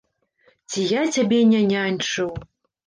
Ці я цябе не няньчыў?